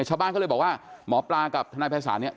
ชาวบ้านก็เลยบอกว่าหมอปลากับทนักพระศาลนี้